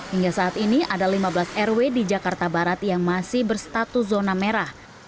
hingga saat ini ada lima belas rw di jakarta barat yang masih berstatus zona merah